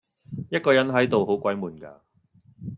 一個人喺度好鬼悶㗎